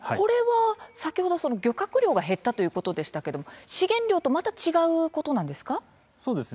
先ほど漁獲量が減ったということでしたが資源量とまた違うことなんですか。